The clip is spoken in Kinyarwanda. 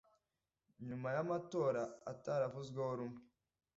nyuma y'amatora ataravuzweho rumwe